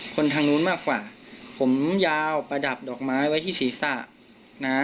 คนทางนู้นมากกว่าผมยาวประดับดอกไม้ไว้ที่ศีรษะนะ